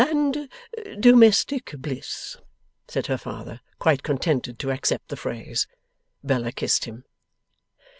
'And domestic Bliss,' said her father, quite contented to accept the phrase. Bella kissed him.